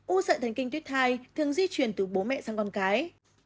u sợi thần kinh tuyết thai thường di truyền từ bố mẹ sang con cái